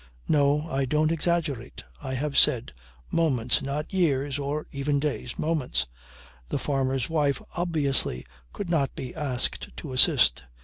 No! I don't exaggerate. I have said moments, not years or even days. Moments. The farmer's wife obviously could not be asked to assist.